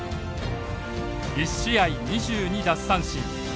１試合２２奪三振。